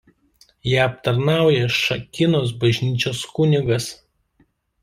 Ją aptarnauja Šakynos bažnyčios kunigas.